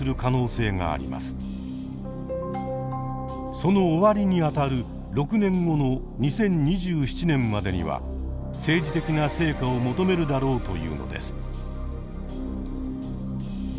その終わりにあたる６年後の２０２７年までには政治的な成果を求めるだろうというのです。